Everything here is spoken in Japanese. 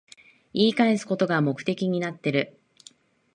言い返すことが目的になってる